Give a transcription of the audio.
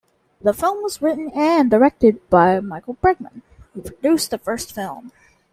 The film was written and directed by Michael Bregman, who produced the first film.